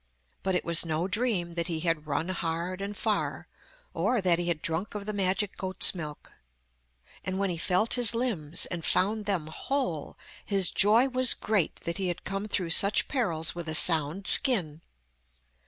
But it was no dream that he had run hard and far, or that he had drunk of the magic goats' milk. And when he felt his limbs, and found them whole, his joy was great that he had come through such perils with a sound skin.